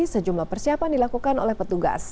sejumlah persiapan dilakukan oleh petugas